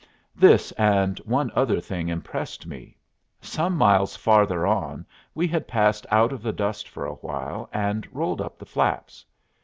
This and one other thing impressed me. Some miles farther on we had passed out of the dust for a while, and rolled up the flaps.